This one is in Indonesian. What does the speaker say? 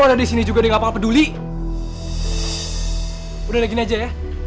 aku harus bagaimana berjalan tanpa kamu